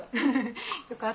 よかった。